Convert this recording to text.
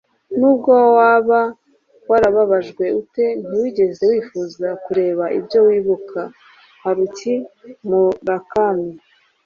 nubwo waba warababajwe ute, ntiwigeze wifuza kureka ibyo wibuka - haruki murakami